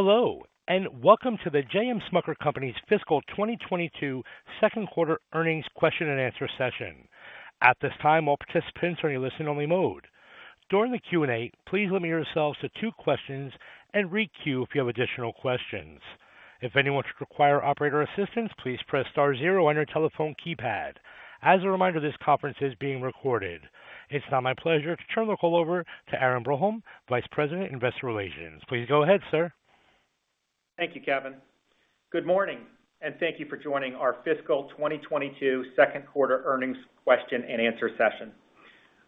Hello, and welcome to The J. M. Smucker Company's Fiscal 2022 Second Quarter Earnings Question and Answer Session. At this time, all participants are in listen only mode. During the Q&A, please limit yourselves to two questions and re-queue if you have additional questions. If anyone should require operator assistance, please press star zero on your telephone keypad. As a reminder, this conference is being recorded. It's now my pleasure to turn the call over to Aaron Broholm, Vice President, Investor Relations. Please go ahead, sir. Thank you, Kevin. Good morning and thank you for joining our fiscal 2022 second quarter earnings question and answer session.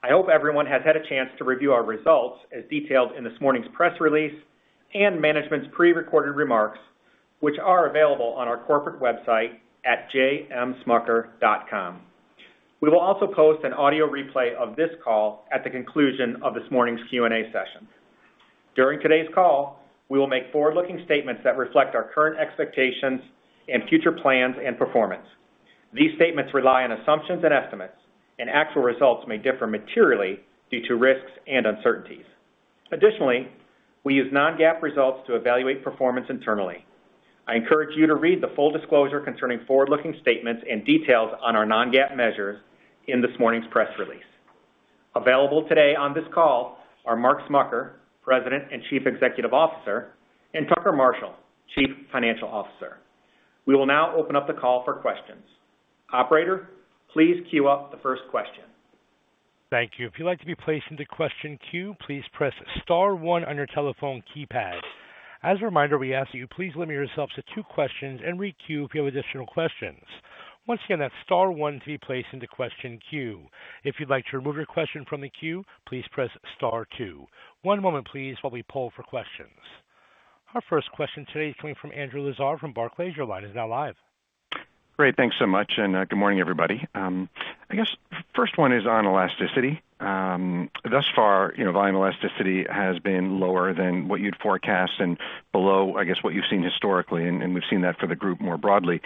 I hope everyone has had a chance to review our results as detailed in this morning's press release and management's prerecorded remarks, which are available on our corporate website at jmsmucker.com. We will also post an audio replay of this call at the conclusion of this morning's Q&A session. During today's call, we will make forward-looking statements that reflect our current expectations and future plans and performance. These statements rely on assumptions and estimates, and actual results may differ materially due to risks and uncertainties. Additionally, we use non-GAAP results to evaluate performance internally. I encourage you to read the full disclosure concerning forward-looking statements and details on our non-GAAP measures in this morning's press release. Available today on this call are Mark Smucker, President and Chief Executive Officer, and Tucker Marshall, Chief Financial Officer. We will now open up the call for questions. Operator, please queue up the first question. Thank you. If you'd like to be placed into question queue, please press star one on your telephone keypad. As a reminder, we ask that you please limit yourselves to two questions and re-queue if you have additional questions. Once again, that's star one to be placed into question queue. If you'd like to remove your question from the queue, please press star two. One moment, please, while we poll for questions. Our first question today is coming from Andrew Lazar from Barclays. Your line is now live. Great. Thanks so much, and good morning, everybody. I guess first one is on elasticity. Thus far, you know, volume elasticity has been lower than what you'd forecast and below, I guess, what you've seen historically, and we've seen that for the group more broadly.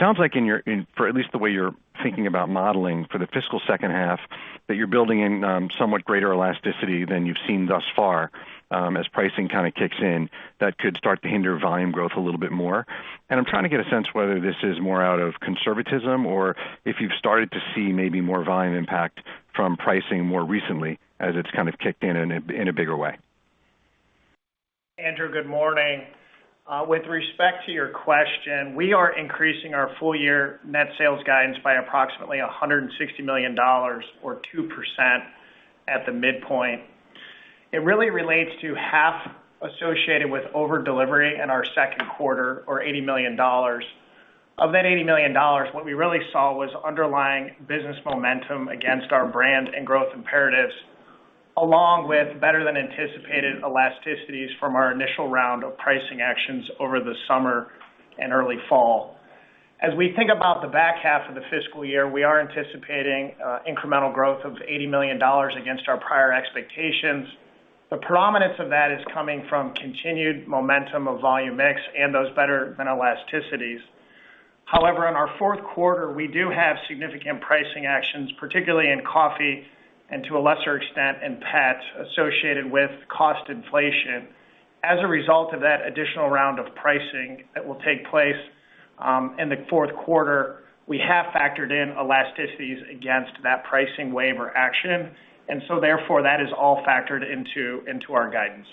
Sounds like for at least the way you're thinking about modeling for the fiscal second half, that you're building in somewhat greater elasticity than you've seen thus far, as pricing kinda kicks in, that could start to hinder volume growth a little bit more. I'm trying to get a sense whether this is more out of conservatism or if you've started to see maybe more volume impact from pricing more recently as it's kind of kicked in a bigger way. Andrew, good morning. With respect to your question, we are increasing our full year net sales guidance by approximately $160 million or 2% at the midpoint. It really relates to half associated with over-delivery in our second quarter or $80 million. Of that $80 million, what we really saw was underlying business momentum against our brand and growth imperatives, along with better than anticipated elasticities from our initial round of pricing actions over the summer and early fall. As we think about the back half of the fiscal year, we are anticipating incremental growth of $80 million against our prior expectations. The predominance of that is coming from continued momentum of volume mix and those better than elasticities. However, in our fourth quarter, we do have significant pricing actions, particularly in coffee and to a lesser extent in pet associated with cost inflation. As a result of that additional round of pricing that will take place in the fourth quarter, we have factored in elasticities against that pricing wave or action, and so therefore, that is all factored into our guidance.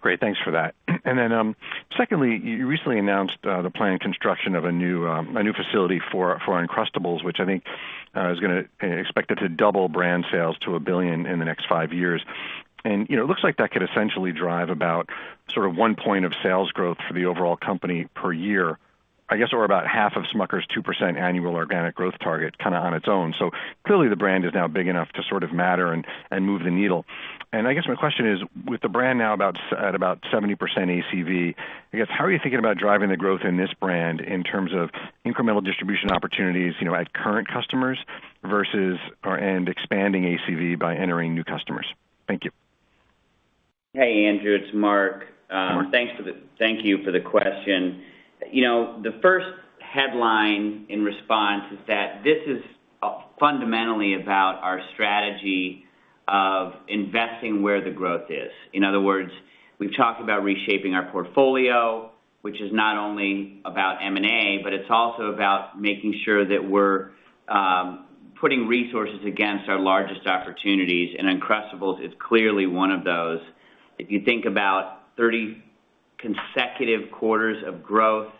Great. Thanks for that. Then, secondly, you recently announced the planned construction of a new facility for Uncrustables, which I think is expected to double brand sales to $1 billion in the next five years. You know, looks like that could essentially drive about sort of 1% sales growth for the overall company per year, I guess, or about half of Smucker's 2% annual organic growth target kinda on its own. Clearly, the brand is now big enough to sort of matter and move the needle. I guess my question is, with the brand now at about 70% ACV, I guess, how are you thinking about driving the growth in this brand in terms of incremental distribution opportunities, you know, at current customers versus or and expanding ACV by entering new customers? Thank you. Hey, Andrew, it's Mark. Mark. Thank you for the question. You know, the first headline in response is that this is fundamentally about our strategy of investing where the growth is. In other words, we've talked about reshaping our portfolio, which is not only about M&A, but it's also about making sure that we're putting resources against our largest opportunities, and Uncrustables is clearly one of those. If you think about 30 consecutive quarters of growth,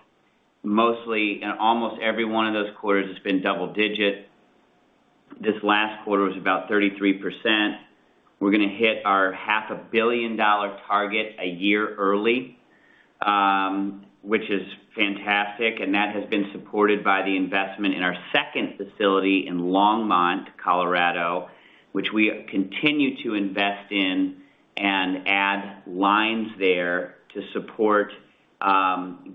mostly and almost every one of those quarters has been double-digit. This last quarter was about 33%. We're gonna hit our $500 million target a year early, which is fantastic, and that has been supported by the investment in our second facility in Longmont, Colorado, which we continue to invest in and add lines there to support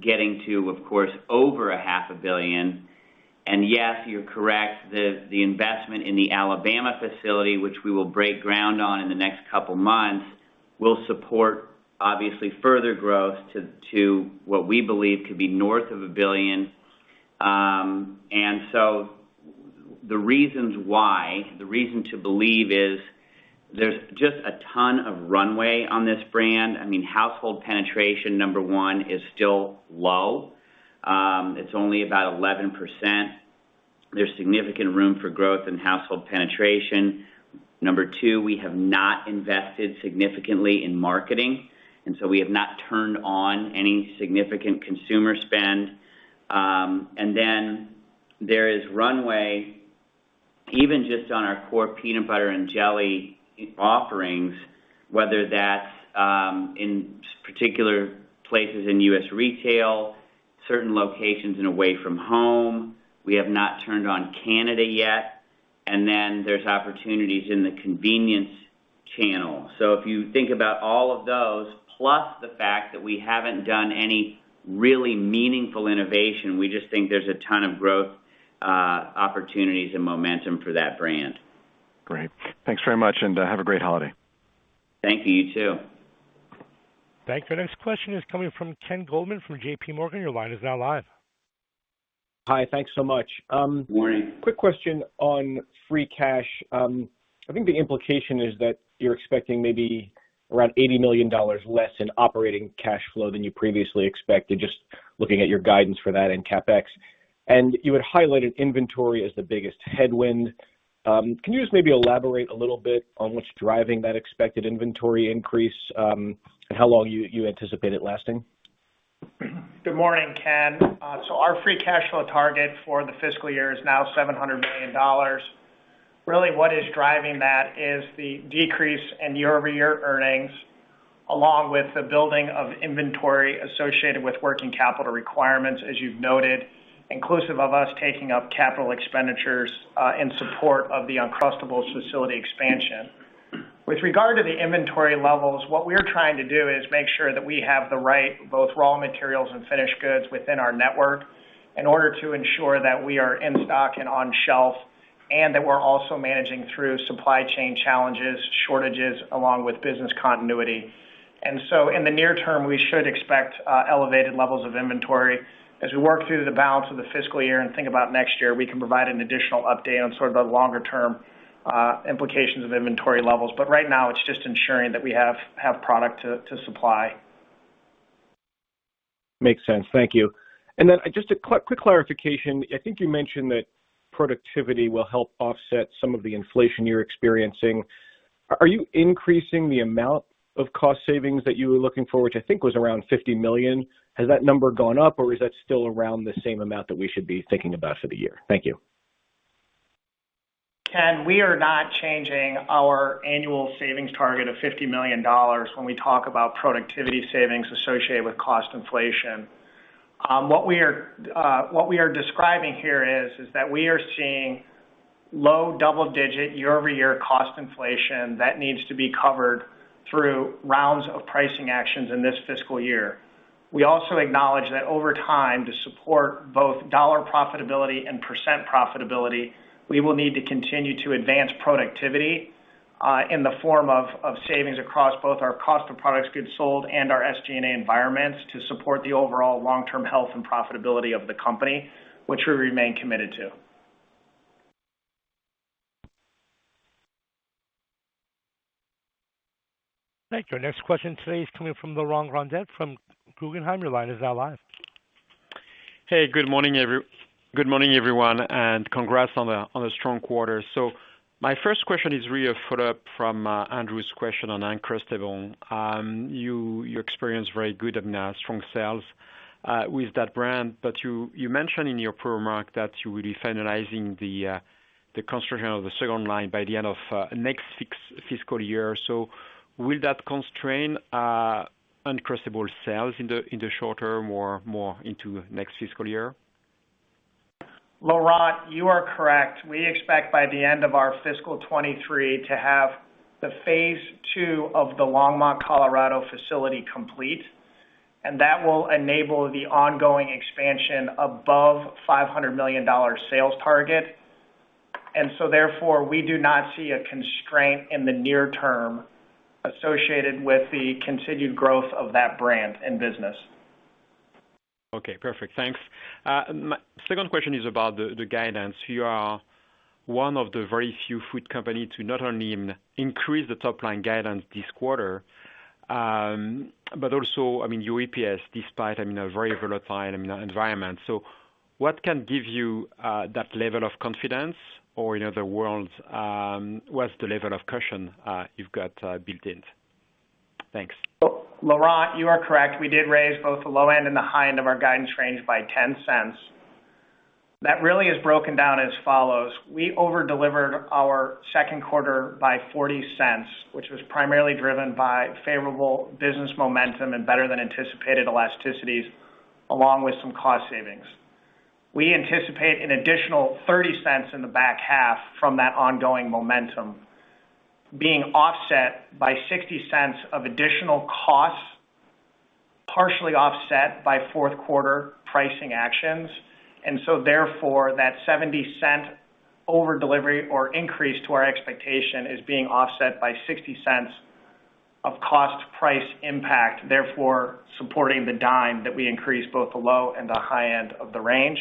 getting to, of course, over a $500 million. Yes, you're correct, the investment in the Alabama facility, which we will break ground on in the next couple months, will support obviously further growth to what we believe to be north of $1 billion. The reason to believe is there's just a ton of runway on this brand. I mean, household penetration, number one, is still low. It's only about 11%. There's significant room for growth in household penetration. Number two, we have not invested significantly in marketing, and so we have not turned on any significant consumer spend. And then there is runway even just on our core peanut butter and jelly offerings, whether that's in specific places in U.S. retail, certain locations in away from home. We have not turned on Canada yet. Then there's opportunities in the convenience channel. If you think about all of those, plus the fact that we haven't done any really meaningful innovation, we just think there's a ton of growth, opportunities and momentum for that brand. Great. Thanks very much, and have a great holiday. Thank you. You too. Thank you. Next question is coming from Ken Goldman from J.P. Morgan. Your line is now live. Hi. Thanks so much. Morning. Quick question on free cash. I think the implication is that you're expecting maybe around $80 million less in operating cash flow than you previously expected, just looking at your guidance for that in CapEx. You had highlighted inventory as the biggest headwind. Can you just maybe elaborate a little bit on what's driving that expected inventory increase, and how long you anticipate it lasting? Good morning, Ken. So our free cash flow target for the fiscal year is now $700 million. Really what is driving that is the decrease in year-over-year earnings, along with the building of inventory associated with working capital requirements, as you've noted, inclusive of us taking up capital expenditures in support of the Uncrustables facility expansion. With regard to the inventory levels, what we're trying to do is make sure that we have the right, both raw materials and finished goods within our network in order to ensure that we are in stock and on shelf, and that we're also managing through supply chain challenges, shortages, along with business continuity. In the near term, we should expect elevated levels of inventory. As we work through the balance of the fiscal year and think about next year, we can provide an additional update on sort of the longer term implications of inventory levels. Right now, it's just ensuring that we have product to supply. Makes sense. Thank you. Just a quick clarification. I think you mentioned that productivity will help offset some of the inflation you're experiencing. Are you increasing the amount of cost savings that you were looking for, which I think was around $50 million? Has that number gone up or is that still around the same amount that we should be thinking about for the year? Thank you. Ken, we are not changing our annual savings target of $50 million when we talk about productivity savings associated with cost inflation. What we are describing here is that we are seeing low double-digit year-over-year cost inflation that needs to be covered through rounds of pricing actions in this fiscal year. We also acknowledge that over time, to support both dollar profitability and percent profitability, we will need to continue to advance productivity in the form of savings across both our cost of goods sold and our SG&A environments to support the overall long-term health and profitability of the company, which we remain committed to. Thank you. Our next question today is coming from Laurent Grandet from Guggenheim. Your line is now live. Hey, good morning, everyone, and congrats on a strong quarter. My first question is really a follow-up from Andrew's question on Uncrustables. You experience very good and strong sales with that brand. But you mentioned in your prepared remarks that you will be finalizing the construction of the second line by the end of next fiscal year. Will that constrain Uncrustables sales in the short term or more into next fiscal year? Laurent, you are correct. We expect by the end of our fiscal 2023 to have the phase two of the Longmont, Colorado facility complete, and that will enable the ongoing expansion above $500 million sales target. We do not see a constraint in the near term associated with the continued growth of that brand and business. Okay, perfect. Thanks. My second question is about the guidance. You are one of the very few food company to not only increase the top line guidance this quarter, but also, I mean, your EPS despite, I mean, a very volatile, I mean, environment. So what can give you that level of confidence or in other words, what's the level of caution you've got built in? Thanks. Laurent, you are correct. We did raise both the low end and the high end of our guidance range by $0.10. That really is broken down as follows. We over-delivered our second quarter by $0.40, which was primarily driven by favorable business momentum and better than anticipated elasticities, along with some cost savings. We anticipate an additional $0.30 in the back half from that ongoing momentum being offset by $0.60 of additional costs, partially offset by fourth quarter pricing actions. That $0.70 over delivery or increase to our expectation is being offset by $0.60 of cost price impact, therefore supporting the $0.10 that we increase both the low and the high end of the range.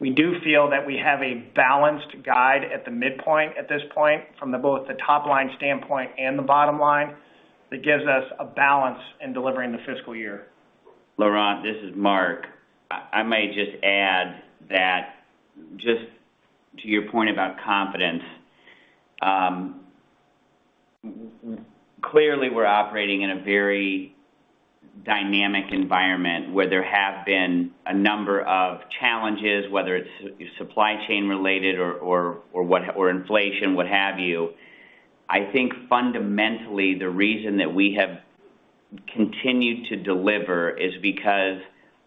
We do feel that we have a balanced guide at the midpoint at this point from both the top line standpoint and the bottom line that gives us a balance in delivering the fiscal year. Laurent, this is Mark. I might just add that just to your point about confidence, clearly we're operating in a very dynamic environment where there have been a number of challenges, whether it's supply chain related or inflation, what have you. I think fundamentally, the reason that we have continued to deliver is because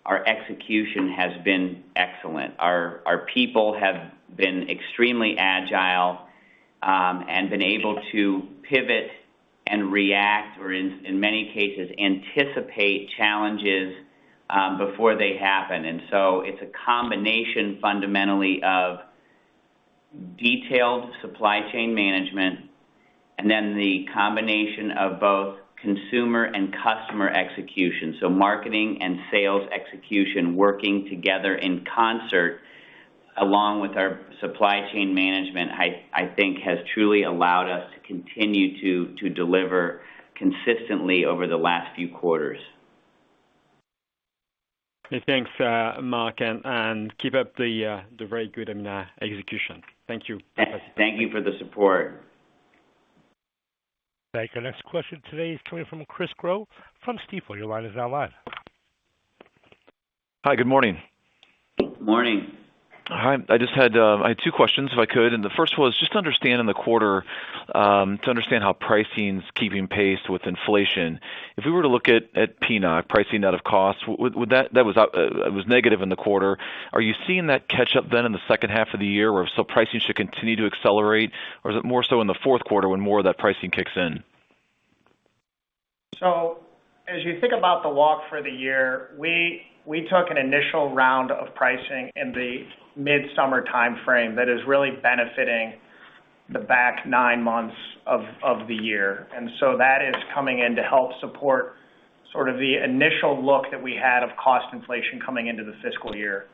our execution has been excellent. Our people have been extremely agile and been able to pivot and react, or in many cases, anticipate challenges before they happen. It's a combination fundamentally of detailed supply chain management and then the combination of both consumer and customer execution. Marketing and sales execution working together in concert along with our supply chain management, I think has truly allowed us to continue to deliver consistently over the last few quarters. Okay, thanks, Mark, and keep up the very good execution. Thank you. Thank you for the support. Thank you. Our next question today is coming from Chris Growe from Stifel. Your line is now live. Hi. Good morning. Morning. Hi. I just had two questions, if I could. The first was just to understand in the quarter how pricing is keeping pace with inflation. If we were to look at PNOC pricing net of cost, would that be negative in the quarter? Are you seeing that catch up then in the H2 of the year where pricing should continue to accelerate? Or is it more so in the fourth quarter when more of that pricing kicks in? As you think about the walk for the year, we took an initial round of pricing in the mid-summer timeframe that is really benefiting the back nine months of the year. That is coming in to help support sort of the initial look that we had of cost inflation coming into the fiscal year.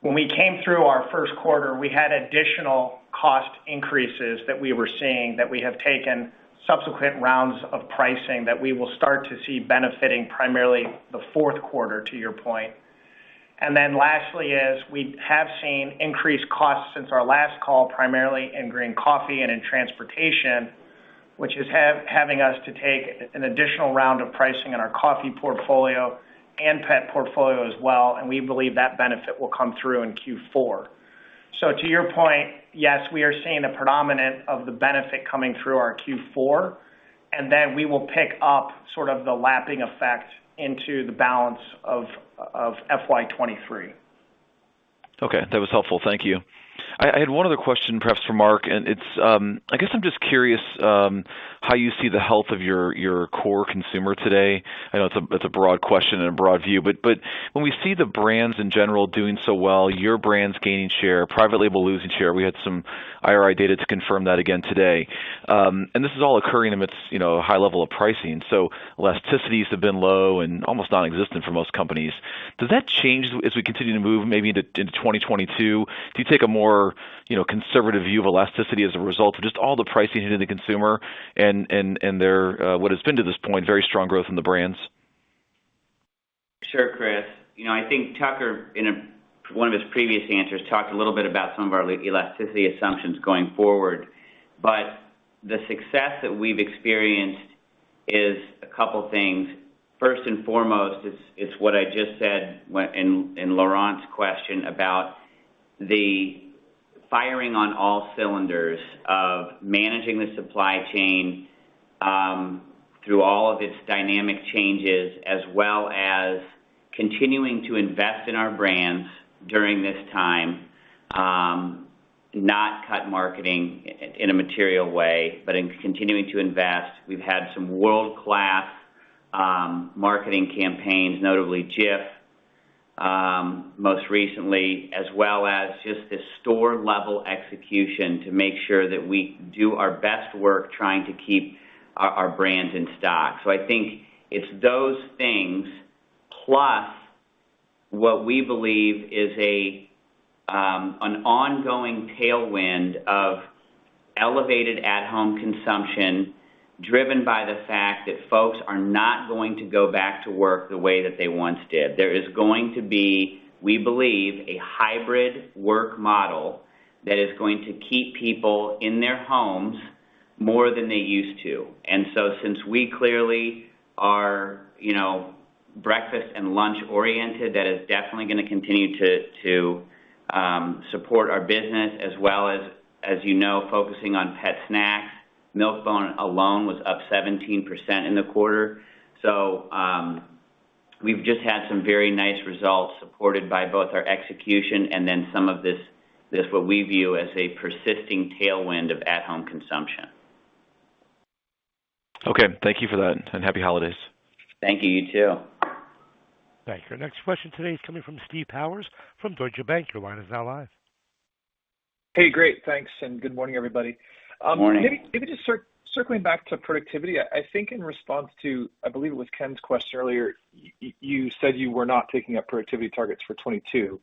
When we came through our first quarter, we had additional cost increases that we were seeing that we have taken subsequent rounds of pricing that we will start to see benefiting primarily the fourth quarter, to your point. Lastly, we have seen increased costs since our last call, primarily in green coffee and in transportation, which is having us to take an additional round of pricing in our coffee portfolio and pet portfolio as well, and we believe that benefit will come through in Q4. To your point, yes, we are seeing a predominance of the benefit coming through our Q4, and then we will pick up sort of the lapping effect into the balance of FY 2023. Okay, that was helpful. Thank you. I had one other question perhaps for Mark, and it's, I guess I'm just curious, how you see the health of your core consumer today. I know it's a broad question and a broad view, but when we see the brands in general doing so well, your brand's gaining share, private label losing share. We had some IRI data to confirm that again today. This is all occurring amidst, you know, high level of pricing. So elasticities have been low and almost nonexistent for most companies. Does that change as we continue to move maybe into 2022? Do you take a more, you know, conservative view of elasticity as a result of just all the pricing into the consumer and their what has been to this point very strong growth in the brands? Sure, Chris. You know, I think Tucker, in one of his previous answers, talked a little bit about some of our elasticity assumptions going forward. The success that we've experienced is a couple things. First and foremost is, it's what I just said when in Laurent's question about the firing on all cylinders of managing the supply chain, through all of its dynamic changes, as well as continuing to invest in our brands during this time, not cut marketing in a material way, but in continuing to invest. We've had some world-class, marketing campaigns, notably Jif, most recently, as well as just the store-level execution to make sure that we do our best work trying to keep our brands in stock. I think it's those things plus what we believe is an ongoing tailwind of elevated at-home consumption, driven by the fact that folks are not going to go back to work the way that they once did. There is going to be, we believe, a hybrid work model that is going to keep people in their homes more than they used to. Since we clearly are, you know, breakfast and lunch-oriented, that is definitely gonna continue to support our business as well as you know, focusing on pet snacks. Milk-Bone alone was up 17% in the quarter. We've just had some very nice results supported by both our execution and then some of this what we view as a persisting tailwind of at-home consumption. Okay. Thank you for that, and happy holidays. Thank you. You too. Thank you. Our next question today is coming from Steve Powers from Deutsche Bank. Your line is now live. Hey, great. Thanks and good morning, everybody. Good morning. Maybe just circling back to productivity. I think in response to, I believe it was Ken's question earlier, you said you were not taking up productivity targets for 2022.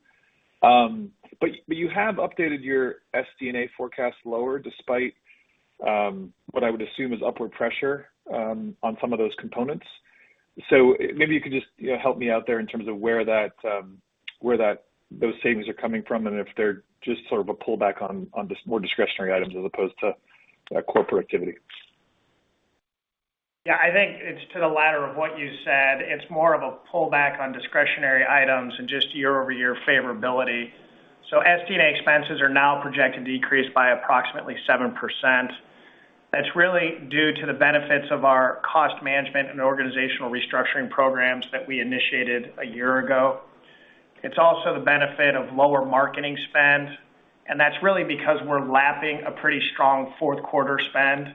You have updated your SD&A forecast lower despite what I would assume is upward pressure on some of those components. Maybe you could just, you know, help me out there in terms of where those savings are coming from and if they're just sort of a pullback on discretionary items as opposed to corporate activity. Yeah. I think it's to the latter of what you said. It's more of a pullback on discretionary items and just year-over-year favorability. SD&A expenses are now projected to decrease by approximately 7%. That's really due to the benefits of our cost management and organizational restructuring programs that we initiated a year ago. It's also the benefit of lower marketing spend, and that's really because we're lapping a pretty strong fourth quarter spend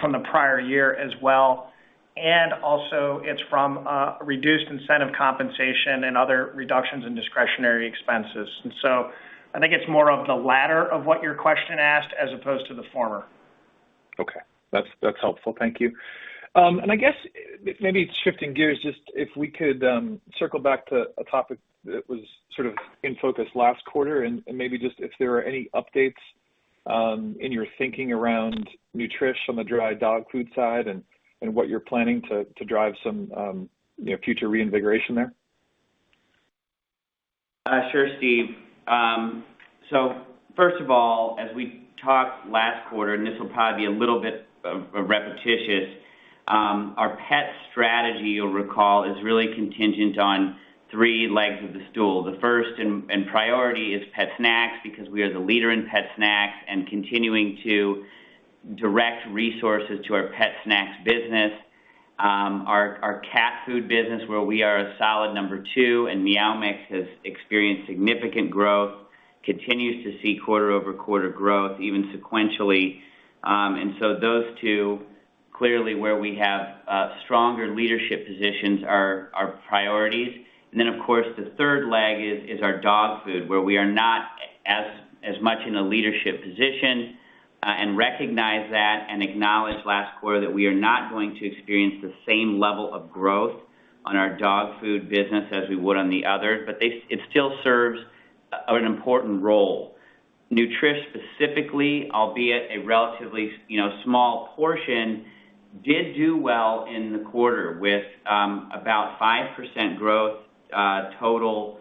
from the prior year as well. Also it's from reduced incentive compensation and other reductions in discretionary expenses. I think it's more of the latter of what your question asked as opposed to the former. Okay. That's helpful. Thank you. I guess maybe shifting gears, just if we could circle back to a topic that was sort of in focus last quarter and maybe just if there are any updates in your thinking around Nutrish on the dry dog food side and what you're planning to drive some you know future reinvigoration there. Sure, Steve. So first of all, as we talked last quarter, this will probably be a little bit of a repetitious, our pet strategy you'll recall is really contingent on three legs of the stool. The first and priority is pet snacks because we are the leader in pet snacks and continuing to direct resources to our pet snacks business. Our cat food business where we are a solid number two and Meow Mix has experienced significant growth continues to see quarter-over-quarter growth even sequentially. Those two clearly where we have stronger leadership positions are our priorities. Of course, the third leg is our dog food where we are not as much in a leadership position, and recognize that and acknowledge last quarter that we are not going to experience the same level of growth on our dog food business as we would on the others, but it still serves an important role. Nutrish specifically, albeit a relatively, you know, small portion did do well in the quarter with about 5% growth total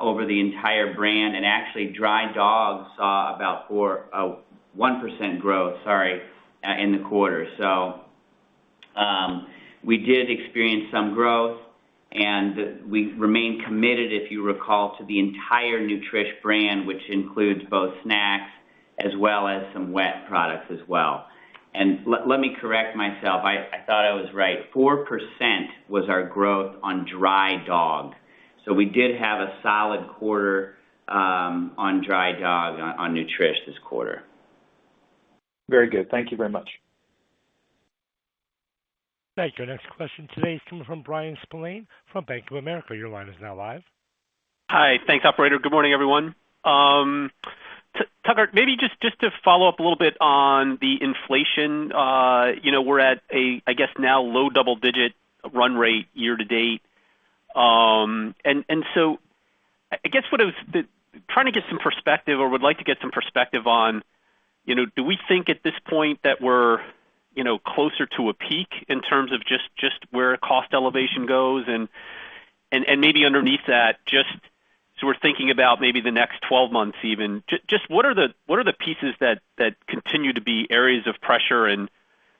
over the entire brand. Actually dry dog saw about 1% growth, sorry, in the quarter. We did experience some growth, and we remain committed, if you recall, to the entire Nutrish brand, which includes both snacks as well as some wet products as well. Let me correct myself. I thought I was right, 4% was our growth on dry dog. We did have a solid quarter on dry dog on Nutrish this quarter. Very good. Thank you very much. Thank you. Our next question today is coming from Bryan Spillane from Bank of America. Your line is now live. Hi. Thanks, operator. Good morning, everyone. Tucker, maybe just to follow up a little bit on the inflation, you know, we're at a, I guess now low double digit run rate year to date. I guess what I was trying to get some perspective or would like to get some perspective on, you know, do we think at this point that we're, you know, closer to a peak in terms of just where cost elevation goes? Maybe underneath that, just so we're thinking about maybe the next 12 months even, just what are the pieces that continue to be areas of pressure and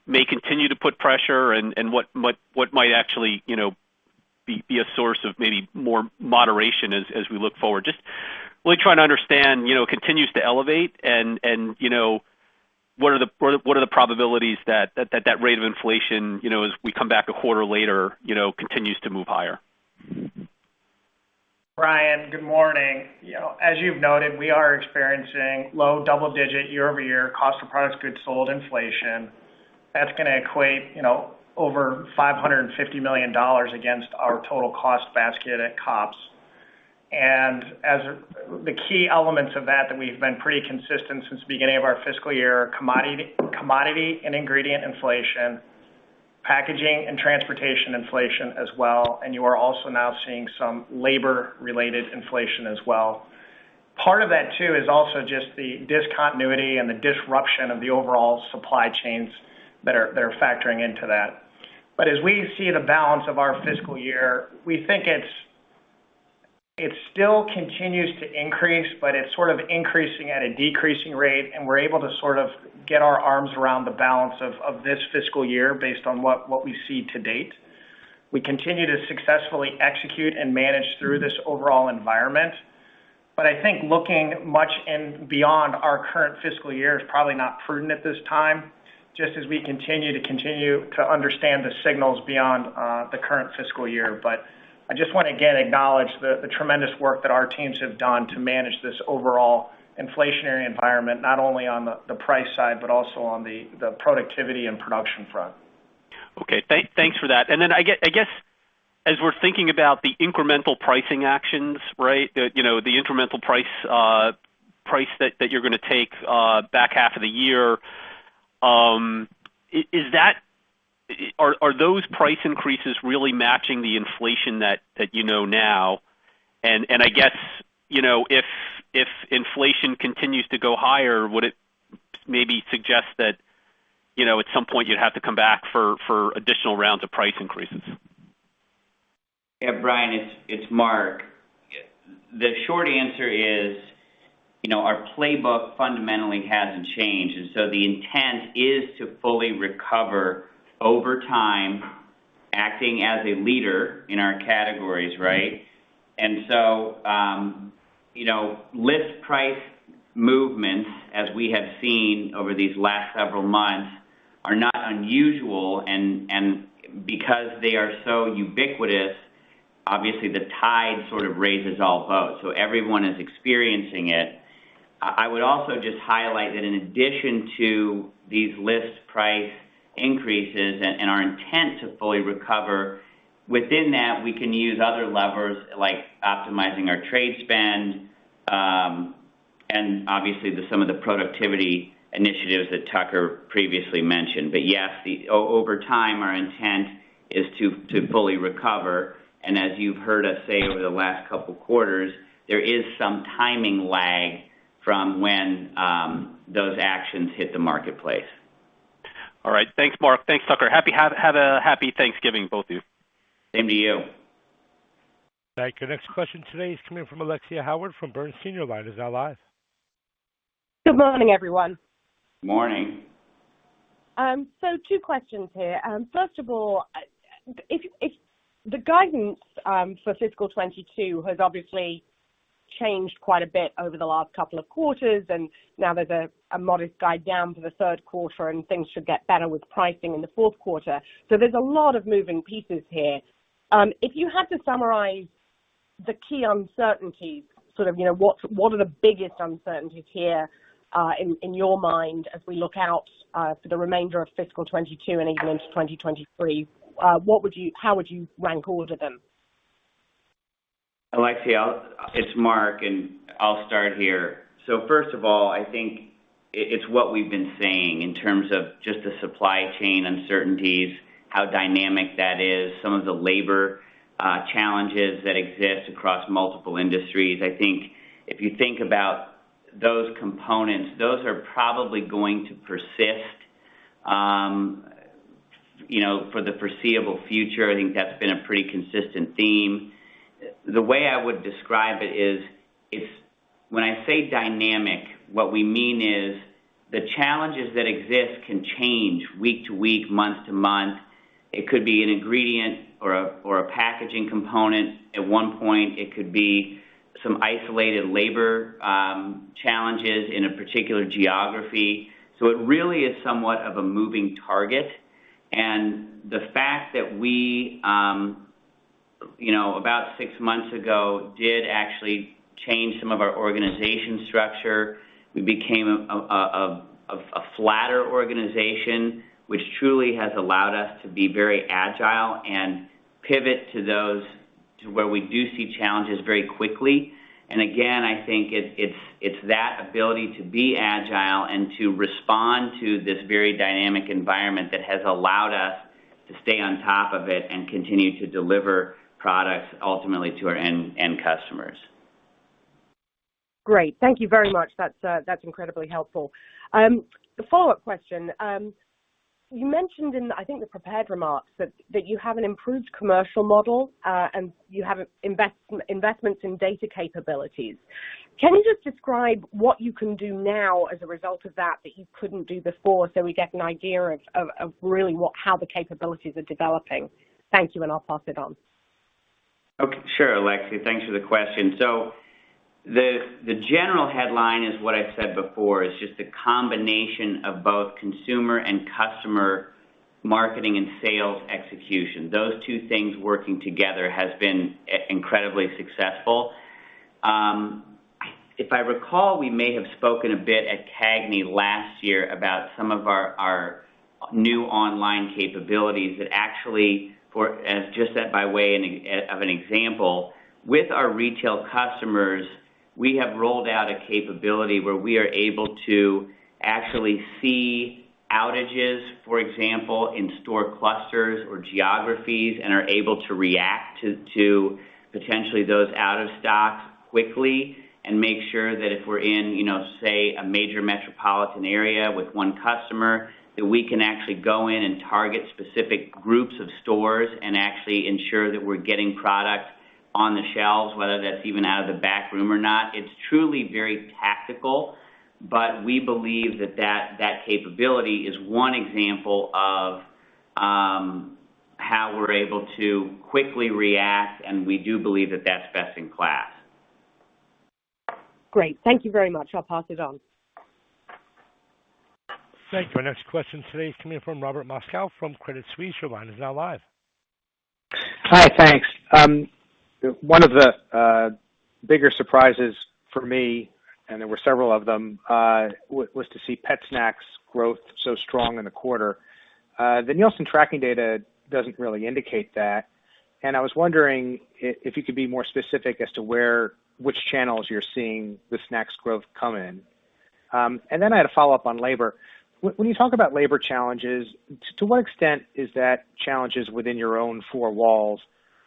may continue to put pressure and what might actually, you know, be a source of maybe more moderation as we look forward? Just really trying to understand, you know, continues to elevate and, you know, what are the probabilities that that rate of inflation, you know, as we come back a quarter later, you know, continues to move higher? Bryan, good morning. You know, as you've noted, we are experiencing low double digit year-over-year cost of goods sold inflation. That's gonna equate, you know, over $550 million against our total cost basket at COPS. As the key elements of that that we've been pretty consistent since the beginning of our fiscal year are commodity and ingredient inflation, packaging and transportation inflation as well, and you are also now seeing some labor-related inflation as well. Part of that too is also just the discontinuity and the disruption of the overall supply chains that are factoring into that. As we see the balance of our fiscal year, we think it still continues to increase, but it's sort of increasing at a decreasing rate and we're able to sort of get our arms around the balance of this fiscal year based on what we see to date. We continue to successfully execute and manage through this overall environment. I think looking much and beyond our current fiscal year is probably not prudent at this time, just as we continue to understand the signals beyond the current fiscal year. I just want to again acknowledge the tremendous work that our teams have done to manage this overall inflationary environment, not only on the price side, but also on the productivity and production front. Okay. Thanks for that. I guess, as we're thinking about the incremental pricing actions, right? You know, the incremental price that you're gonna take back half of the year. Are those price increases really matching the inflation that you know now? I guess, you know, if inflation continues to go higher, would it maybe suggest that, you know, at some point you'd have to come back for additional rounds of price increases? Yeah, Bryan, it's Mark. The short answer is, you know, our playbook fundamentally hasn't changed, and so the intent is to fully recover over time, acting as a leader in our categories, right? You know, list price movements, as we have seen over these last several months, are not unusual and because they are so ubiquitous, obviously the tide sort of raises all boats, so everyone is experiencing it. I would also just highlight that in addition to these list price increases and our intent to fully recover, within that, we can use other levers like optimizing our trade spend, and obviously some of the productivity initiatives that Tucker previously mentioned. Yes, over time, our intent is to fully recover. As you've heard us say over the last couple quarters, there is some timing lag from when those actions hit the marketplace. All right. Thanks, Mark. Thanks, Tucker. Have a happy Thanksgiving, both of you. Same to you. Thank you. Next question today is coming from Alexia Howard from Bernstein. Your line is now live. Good morning, everyone. Morning. Two questions here. First of all, if the guidance for fiscal 2022 has obviously changed quite a bit over the last couple of quarters, and now there's a modest guide down for the third quarter, and things should get better with pricing in the fourth quarter. There's a lot of moving pieces here. If you had to summarize the key uncertainties, sort of, you know, what are the biggest uncertainties here, in your mind as we look out for the remainder of fiscal 2022 and even into 2023, how would you rank order them? Alexia, it's Mark, and I'll start here. First of all, I think it's what we've been saying in terms of just the supply chain uncertainties, how dynamic that is. Some of the labor challenges that exist across multiple industries. I think if you think about those components, those are probably going to persist, you know, for the foreseeable future. I think that's been a pretty consistent theme. The way I would describe it is, when I say dynamic, what we mean is the challenges that exist can change week-to-week, month-to-month. It could be an ingredient or a packaging component. At one point, it could be some isolated labor challenges in a particular geography. It really is somewhat of a moving target. The fact that we, you know, about six months ago did actually change some of our organization structure. We became a flatter organization, which truly has allowed us to be very agile and pivot to those to where we do see challenges very quickly. I think it is that ability to be agile and to respond to this very dynamic environment that has allowed us to stay on top of it and continue to deliver products ultimately to our end customers. Great. Thank you very much. That's incredibly helpful. The follow-up question. You mentioned in, I think, the prepared remarks that you have an improved commercial model, and you have investments in data capabilities. Can you just describe what you can do now as a result of that you couldn't do before, so we get an idea of really how the capabilities are developing? Thank you, and I'll pass it on. Okay. Sure, Alexia. Thanks for the question. The general headline is what I said before. It's just a combination of both consumer and customer marketing and sales execution. Those two things working together has been incredibly successful. If I recall, we may have spoken a bit at CAGNY last year about some of our new online capabilities that actually for. Just that by way of an example, with our retail customers, we have rolled out a capability where we are able to actually see outages, for example, in store clusters or geographies, and are able to react to potentially those out of stocks quickly and make sure that if we're in, you know, say, a major metropolitan area with one customer, that we can actually go in and target specific groups of stores and actually ensure that we're getting product on the shelves, whether that's even out of the back room or not. It's truly very tactical, but we believe that that capability is one example of how we're able to quickly react, and we do believe that that's best in class. Great. Thank you very much. I'll pass it on. Thank you. Our next question today is coming from Robert Moskow from Credit Suisse. Your line is now live. Hi, thanks. One of the bigger surprises for me, and there were several of them, was to see pet snacks growth so strong in the quarter. The Nielsen tracking data doesn't really indicate that. I was wondering if you could be more specific as to which channels you're seeing the snacks growth come in. I had a follow-up on labor. When you talk about labor challenges, to what extent is that challenges within your own four walls,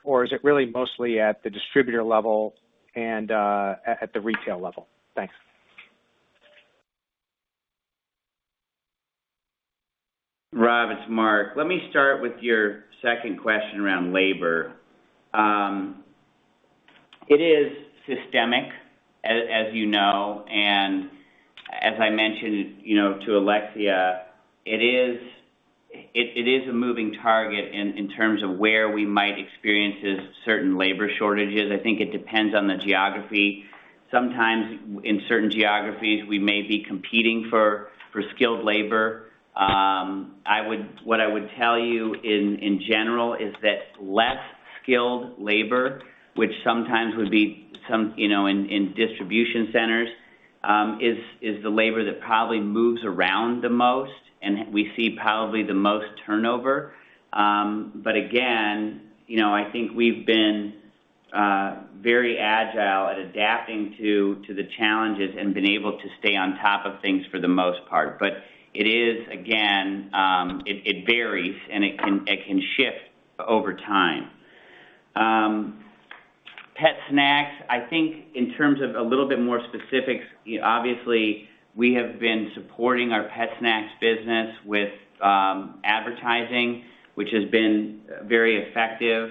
or is it really mostly at the distributor level and at the retail level? Thanks. Rob, it's Mark. Let me start with your second question around labor. It is systemic, as you know, and as I mentioned, you know, to Alexia. It is a moving target in terms of where we might experience this certain labor shortages. I think it depends on the geography. Sometimes in certain geographies we may be competing for skilled labor. What I would tell you in general is that less skilled labor, which sometimes would be some, you know, in distribution centers, is the labor that probably moves around the most and we see probably the most turnover. Again, you know, I think we've been very agile at adapting to the challenges and been able to stay on top of things for the most part. It is again, it varies and it can shift over time. Pet snacks, I think in terms of a little bit more specifics, obviously, we have been supporting our pet snacks business with advertising, which has been very effective.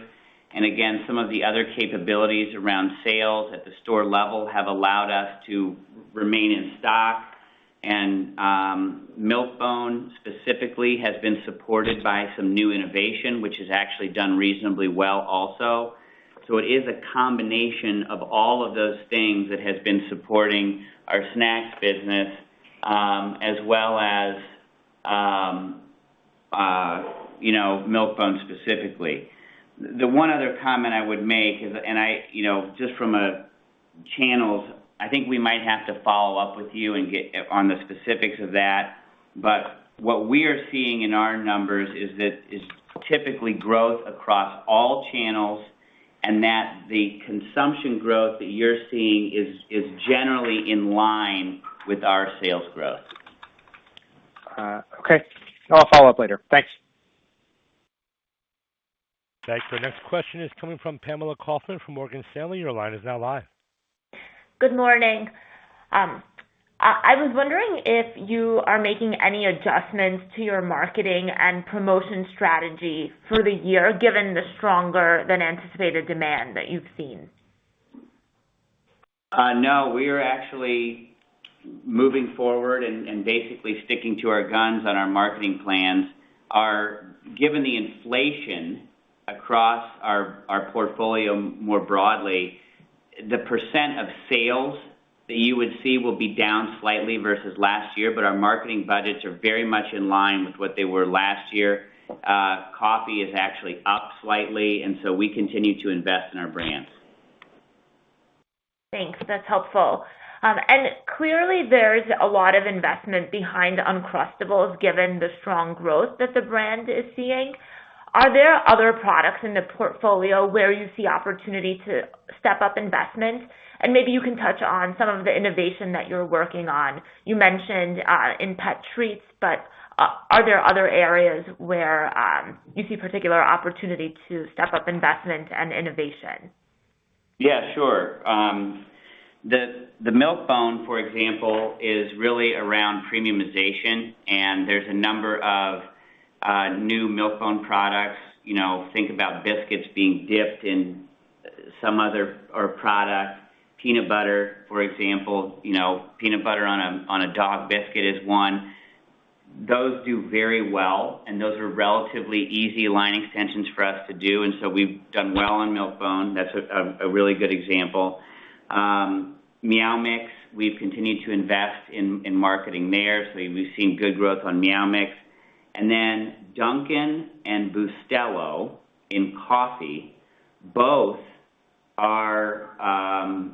Again, some of the other capabilities around sales at the store level have allowed us to remain in stock. Milk-Bone specifically has been supported by some new innovation, which has actually done reasonably well also. It is a combination of all of those things that has been supporting our snacks business, as well as, you know, Milk-Bone specifically. The one other comment I would make is, you know, just from channels, I think we might have to follow up with you and get on the specifics of that. What we are seeing in our numbers is that it's typically growth across all channels, and that the consumption growth that you're seeing is generally in line with our sales growth. Okay. I'll follow up later. Thanks. Thanks. Our next question is coming from Pamela Kaufman from Morgan Stanley. Your line is now live. Good morning. I was wondering if you are making any adjustments to your marketing and promotion strategy through the year, given the stronger than anticipated demand that you've seen. No, we are actually moving forward and basically sticking to our guns on our marketing plans. Given the inflation across our portfolio more broadly, the percent of sales that you would see will be down slightly versus last year, but our marketing budgets are very much in line with what they were last year. Coffee is actually up slightly, and so we continue to invest in our brands. Thanks. That's helpful. Clearly there's a lot of investment behind Uncrustables given the strong growth that the brand is seeing. Are there other products in the portfolio where you see opportunity to step up investment? Maybe you can touch on some of the innovation that you're working on. You mentioned in pet treats, but are there other areas where you see particular opportunity to step up investment and innovation? Yeah, sure. The Milk-Bone, for example, is really around premiumization, and there's a number of new Milk-Bone products. You know, think about biscuits being dipped in some other or product. Peanut butter, for example. You know, peanut butter on a dog biscuit is one. Those do very well, and those are relatively easy line extensions for us to do, and so we've done well on Milk-Bone. That's a really good example. Meow Mix, we've continued to invest in marketing there. So we've seen good growth on Meow Mix. Dunkin' and Bustelo in coffee both have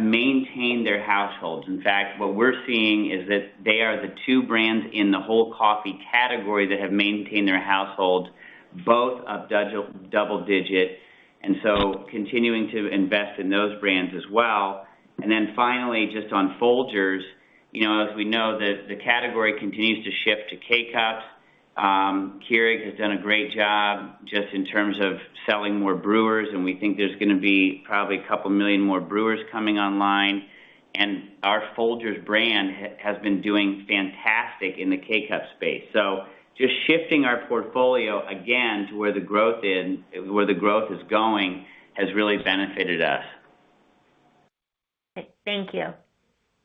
maintained their households. In fact, what we're seeing is that they are the two brands in the whole coffee category that have maintained their households, both double digit, and so continuing to invest in those brands as well. Then finally, just on Folgers. You know, as we know, the category continues to shift to K-Cups. Keurig has done a great job just in terms of selling more brewers, and we think there's gonna be probably a couple million more brewers coming online. Our Folgers brand has been doing fantastic in the K-Cup space. Just shifting our portfolio again to where the growth is going has really benefited us. Thank you.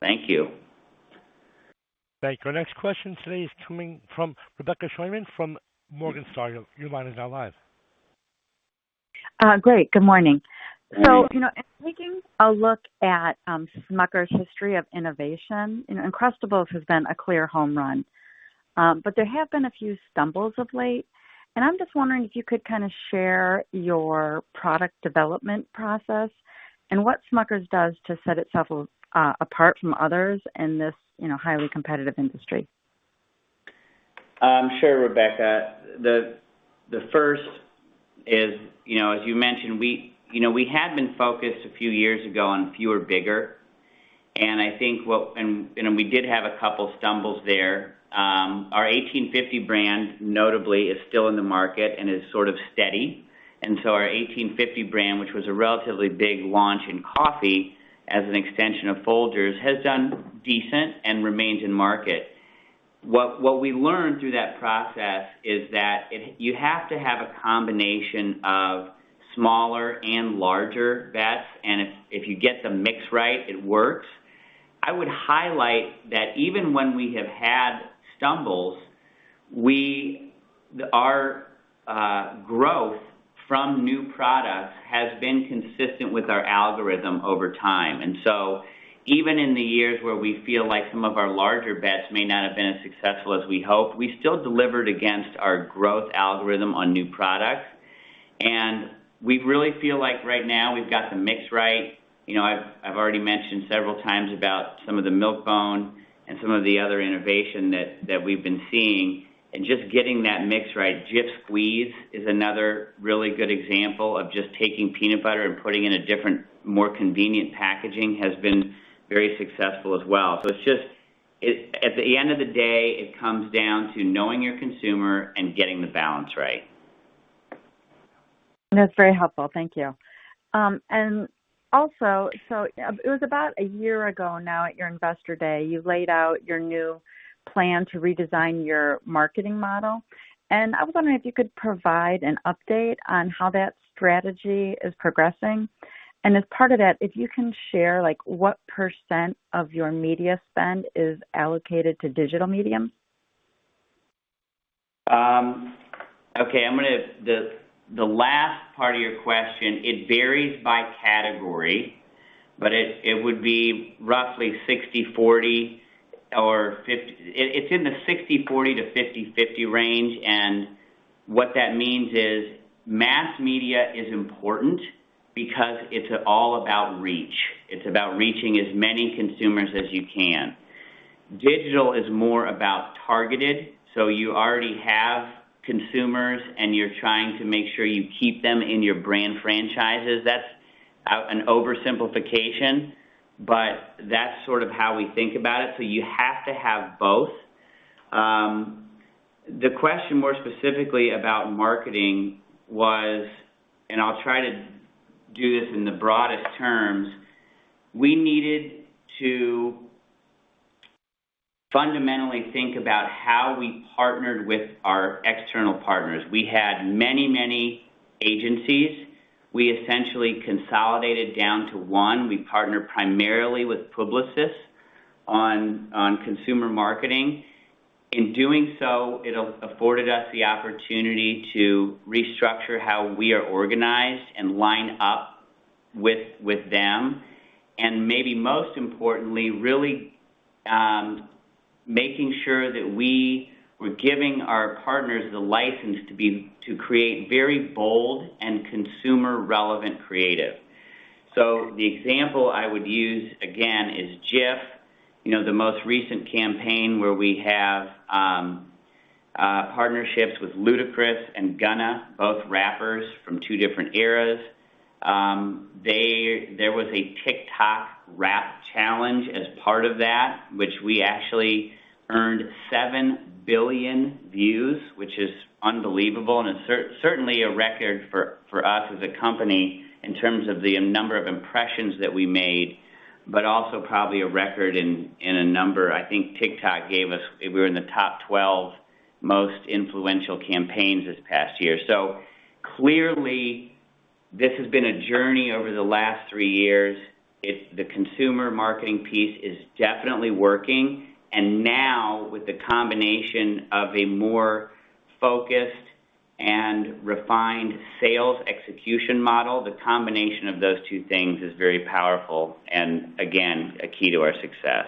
Thank you. Thank you. Our next question today is coming from Rebecca Scheuneman from Morningstar. Your line is now live. Great. Good morning. Good morning. You know, in taking a look at Smucker's history of innovation, you know, Uncrustables has been a clear home run. There have been a few stumbles of late, and I'm just wondering if you could kinda share your product development process and what Smucker's does to set itself apart from others in this, you know, highly competitive industry. Sure, Rebecca. The first is, you know, as you mentioned, we had been focused a few years ago on fewer bigger. You know, we did have a couple stumbles there. Our 1850 brand notably is still in the market and is sort of steady. Our 1850 brand, which was a relatively big launch in coffee as an extension of Folgers, has done decent and remains in market. What we learned through that process is that you have to have a combination of smaller and larger bets, and if you get the mix right, it works. I would highlight that even when we have had stumbles, our growth from new products has been consistent with our algorithm over time. Even in the years where we feel like some of our larger bets may not have been as successful as we hoped, we still delivered against our growth algorithm on new products. We really feel like right now we've got the mix right. You know, I've already mentioned several times about some of the Milk-Bone and some of the other innovation that we've been seeing and just getting that mix right. Jif Squeeze is another really good example of just taking peanut butter and putting in a different, more convenient packaging has been very successful as well. It's just at the end of the day, it comes down to knowing your consumer and getting the balance right. That's very helpful. Thank you. It was about a year ago now at your Investor Day, you laid out your new plan to redesign your marketing model, and I was wondering if you could provide an update on how that strategy is progressing. As part of that, if you can share, like, what % of your media spend is allocated to digital media? The last part of your question, it varies by category, but it's in the 60/40 to 50/50 range. What that means is mass media is important because it's all about reach. It's about reaching as many consumers as you can. Digital is more about targeted, so you already have consumers, and you're trying to make sure you keep them in your brand franchises. That's an oversimplification, but that's sort of how we think about it, so you have to have both. The question more specifically about marketing was, I'll try to do this in the broadest terms, we needed to fundamentally think about how we partnered with our external partners. We had many agencies. We essentially consolidated down to one. We partner primarily with Publicis on consumer marketing. In doing so, it afforded us the opportunity to restructure how we are organized and line up with them, and maybe most importantly, really, making sure that we were giving our partners the license to create very bold and consumer-relevant creative. The example I would use again is Jif. You know, the most recent campaign where we have partnerships with Ludacris and Gunna, both rappers from two different eras. There was a TikTok rap challenge as part of that, which we actually earned 7 billion views, which is unbelievable and it's certainly a record for us as a company in terms of the number of impressions that we made, but also probably a record in a number. I think TikTok gave us. We were in the top 12 most influential campaigns this past year. Clearly, this has been a journey over the last three years. It's the consumer marketing piece is definitely working, and now with the combination of a more focused and refined sales execution model, the combination of those two things is very powerful and again, a key to our success.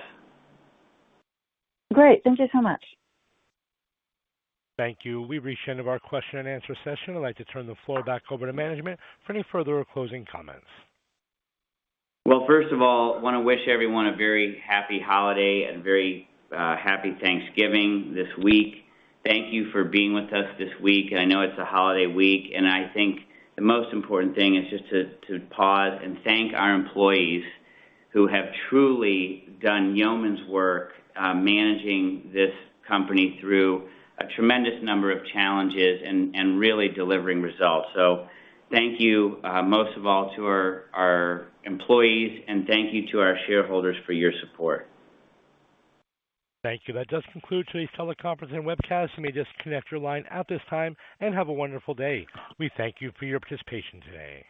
Great. Thank you so much. Thank you. We've reached the end of our question and answer session. I'd like to turn the floor back over to management for any further or closing comments. Well, first of all, wanna wish everyone a very happy holiday and a very happy Thanksgiving this week. Thank you for being with us this week. I know it's a holiday week, and I think the most important thing is just to pause and thank our employees who have truly done yeoman's work managing this company through a tremendous number of challenges and really delivering results. So thank you most of all to our employees, and thank you to our shareholders for your support. Thank you. That does conclude today's teleconference and webcast. You may disconnect your line at this time, and have a wonderful day. We thank you for your participation today.